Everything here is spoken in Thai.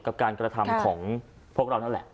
กับการกระทำของพวกเรานั่นแหละ